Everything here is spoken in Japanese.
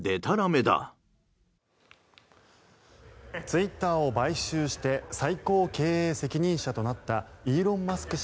ツイッターを買収して最高経営責任者となったイーロン・マスク